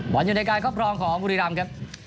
บอนอยู่ในการคอบครองของบุรีรั่มครับ